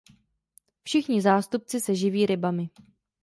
Všichni zástupci se živí rybami.